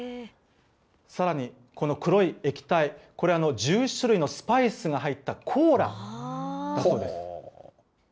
さらにこの黒い液体、これ、１１種類のスパイスが入ったコーラだそうです。